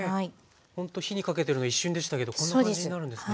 ほんと火にかけてるの一瞬でしたけどこんな感じになるんですね。